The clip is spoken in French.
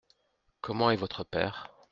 Comment est votre père ?